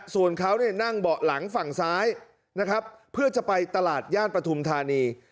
ส่วนเขานั่งเบาะหลังฝั่งซ้ายนะครับเพื่อจะไปตลาดย่านปฐุมธานี